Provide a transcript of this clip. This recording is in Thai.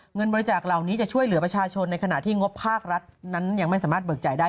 เงินบริจาคเหล่านี้จะช่วยเหลือประชาชนในขณะที่งบภาครัฐนั้นยังไม่สามารถเบิกจ่ายได้